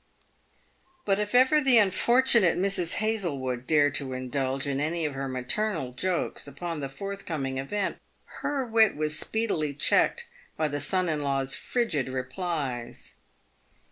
But if ever the unfortunate Mrs. Hazlewood dared to indulge in any of her maternal jokes upon the forthcoming event, her wit was speedily checked by the son in law's frigid replies.